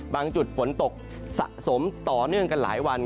จุดฝนตกสะสมต่อเนื่องกันหลายวัน